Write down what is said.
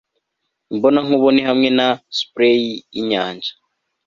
imbonankubone hamwe na spray yinyanja